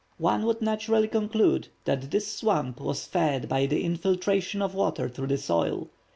One would naturally conclude that this swamp was fed by the infiltration of water through the soil.